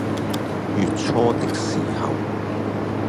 月初的時候